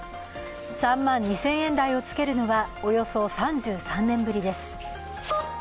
３万２０００円台をつけるのはおよそ３３年ぶりです。